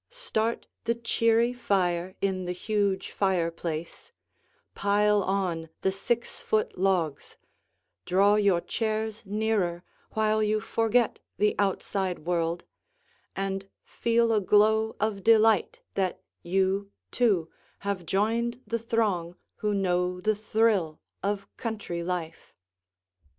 Start the cheery fire in the huge fireplace, pile on the six foot logs, draw your chairs nearer while you forget the outside world, and feel a glow of delight that you, too, have joined the throng who know the thrill of country life.